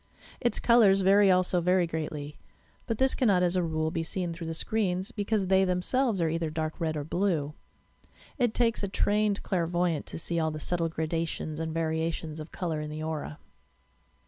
Its colours vary also very greatly, but this cannot as a rule be seen through the screens because they themselves are either dark red or blue. It takes a trained clairvoyant to see all the subtle gradations and variations of colour in the aura.